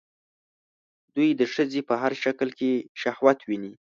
دوی د ښځې په هر شکل کې شهوت ويني